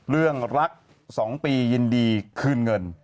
เรื่องรัก๒ปียินดีคืนเงิน